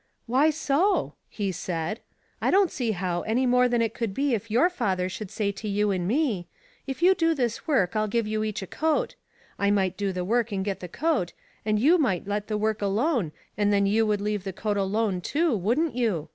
" Why so ?" he said. '* I don't see how, any more than it would be if your father should say to you and me, * If you do this work I'll give you each a coat.' I might do the work and get the coat, and you might let the work alone, and then you would leave the coat alone too, wouldn't you